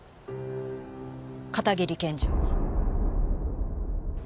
片桐検事を。